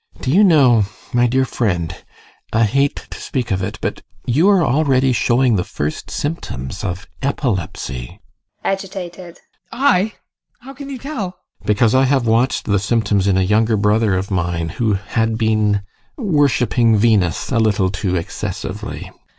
GUSTAV. Do you know, my dear friend I hate to speak of it, but you are already showing the first symptoms of epilepsy. ADOLPH. [Agitated] I! How can you tell? GUSTAV. Because I have watched the symptoms in a younger brother of mine who had been worshipping Venus a little too excessively.